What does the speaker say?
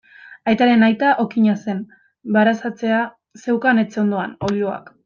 Aitaren aita okina zen, baratzea zeukan etxe ondoan, oiloak.